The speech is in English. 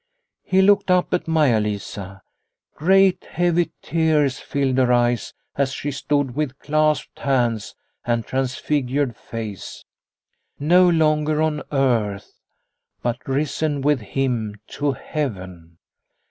He looked up at Maia Lisa. Great heavy tears filled her eyes as she stood with clasped hands and transfigured face, no longer on earth, but risen with him to heaven.